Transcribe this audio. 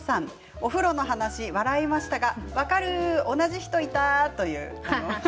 お風呂の話がありましたが分かる、同じ人いた。